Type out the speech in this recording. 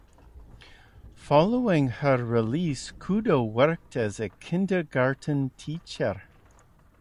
Following her release, Kudo worked as a kindergarten teacher.